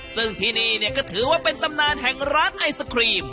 ซึ่งที่นี่เนี่ยก็ถือว่าเป็นตำนานแห่งร้านไอศครีม